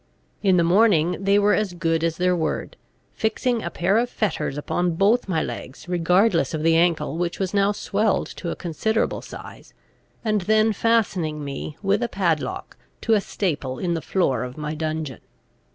In the morning they were as good as their word, fixing a pair of fetters upon both my legs, regardless of the ankle which was now swelled to a considerable size, and then fastening me, with a padlock, to a staple in the floor of my dungeon.